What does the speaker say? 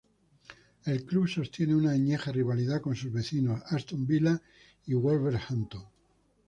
El club sostiene una añeja rivalidad con sus vecinos Aston Villa y Wolverhampton.